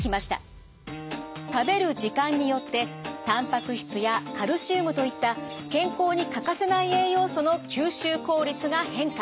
食べる時間によってたんぱく質やカルシウムといった健康に欠かせない栄養素の吸収効率が変化。